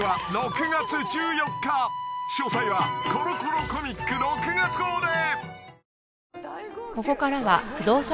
［詳細は『コロコロコミック』６月号で］